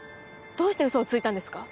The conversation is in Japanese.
どうして嘘をついたんですか？